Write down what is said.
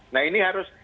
nah ini harus